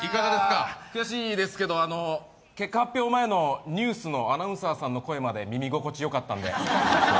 悔しいですけど、結果発表前のニュースのアナウンサーさんの声まで耳心地よかったんで。